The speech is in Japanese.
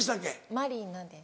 マリナです。